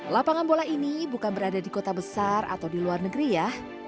lapangan bola ini bukan berada di kota besar atau di luar negeri ya